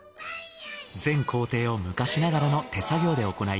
全工程を昔ながらの手作業で行い